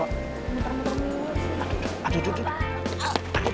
aduh aduh aduh